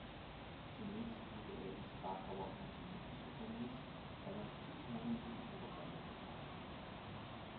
Zunächst wurde er ins Krakauer Montelupich-Gefängnis, dann nach Tittmoning in Oberbayern verbracht.